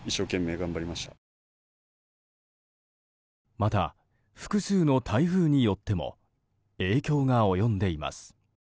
また複数の台風によっても影響が及んでいます。